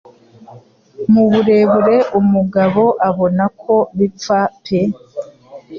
Muburebure Umugabo abona ko bipfa pe